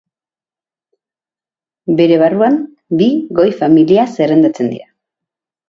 Bere barruan bi goi-familia zerrendatzen dira.